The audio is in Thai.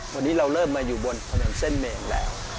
วันนี้เราเริ่มมาอยู่บนถนนเส้นเมนแล้ว